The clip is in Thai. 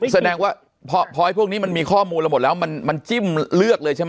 แสดงว่าพลอยพวกนี้มันมีข้อมูลเราหมดแล้วมันจิ้มเลือกเลยใช่ไหม